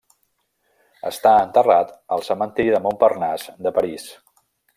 Està enterrat al Cementiri de Montparnasse de París.